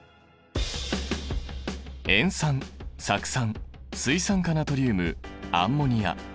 塩酸酢酸水酸化ナトリウムアンモニア。